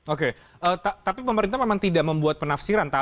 oke tapi pemerintah memang tidak membuat penafsiran